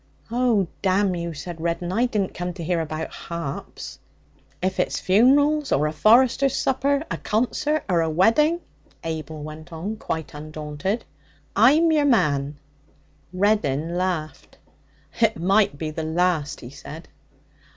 'Oh, damn you!' said Reddin. 'I didn't come to hear about harps.' 'If it's funerals or a forester's supper, a concert or a wedding,' Abel went on, quite undaunted, 'I'm your man.' Reddin laughed. 'It might be the last,' he said.